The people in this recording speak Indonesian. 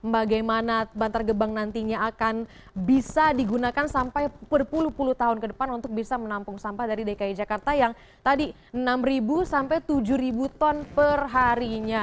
bagaimana bantar gebang nantinya akan bisa digunakan sampai berpuluh puluh tahun ke depan untuk bisa menampung sampah dari dki jakarta yang tadi enam sampai tujuh ton perharinya